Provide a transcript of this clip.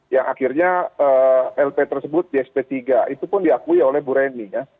yang akhirnya lp tersebut di sp tiga itu pun diakui oleh bu reni ya